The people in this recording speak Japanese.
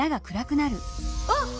あっ！